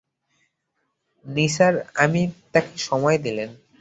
নিসার আদি তাকে সময় দিলেন।